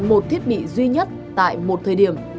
một thiết bị duy nhất tại một thời điểm